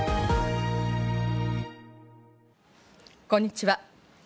こんにちは。